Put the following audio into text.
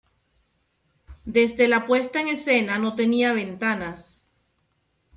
Desde la puesta en escena no tenía ventanas.